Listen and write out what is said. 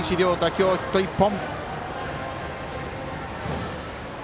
今日、ヒット１本。